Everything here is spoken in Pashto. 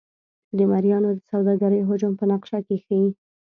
د مریانو د سوداګرۍ حجم په نقشه کې ښيي.